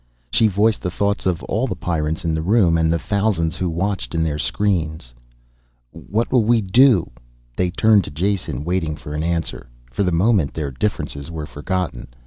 She voiced the thoughts of all the Pyrrans in the room, and the thousands who watched in their screens. "What will we do?" They turned to Jason, waiting for an answer. For the moment their differences were forgotten.